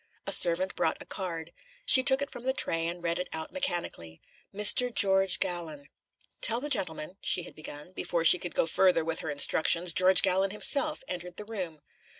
A servant brought a card. She took it from the tray and read it out mechanically: "Mr. George Gallon." "Tell the gentleman " she had begun; but before she could go further with her instructions George Gallon himself had entered the room.